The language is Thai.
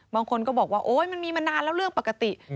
บางคนก็บอกว่าโอ๊ยมันมีมานานแล้วเรื่องปกติ